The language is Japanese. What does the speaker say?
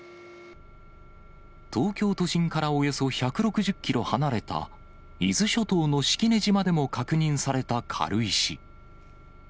東京都心からおよそ１６０キロ離れた伊豆諸島の式根島でも確認された軽石。